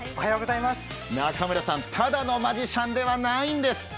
中村さん、ただのマジシャンではないんです。